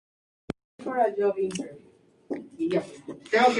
A. J. Johnson; Appleton.